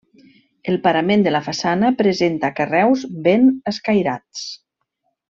El parament de la façana presenta carreus ben escairats.